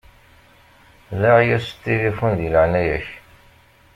Laɛi-yas s tilifun di leɛnaya-k.